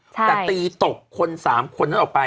แต่ตีตกคน๓คนนั้นออกไป